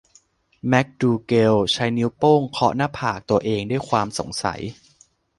แมคดูแกลใช้นิ้วโป้งเคาะหน้าผากตัวเองด้วยความสงสัย